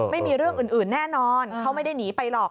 ไม่มีเรื่องอื่นแน่นอนเขาไม่ได้หนีไปหรอก